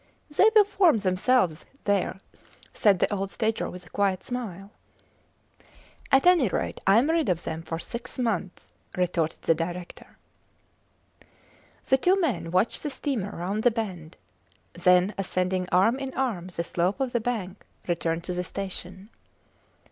They will form themselves there, said the old stager with a quiet smile. At any rate, I am rid of them for six months, retorted the director. The two men watched the steamer round the bend, then, ascending arm in arm the slope of the bank, returned to the station.